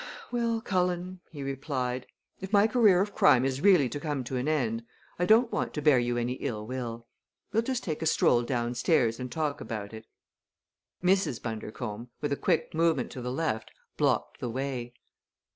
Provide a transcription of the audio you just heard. "Well, Cullen," he replied, "if my career of crime is really to come to an end I don't want to bear you any ill will. We'll just take a stroll downstairs and talk about it." Mrs. Bundercombe, with a quick movement to the left, blocked the way.